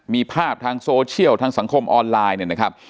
มีภาพทางโซเชียลทางสังคมออนไลน์